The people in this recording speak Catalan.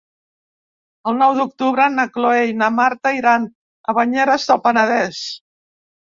El nou d'octubre na Cloè i na Marta iran a Banyeres del Penedès.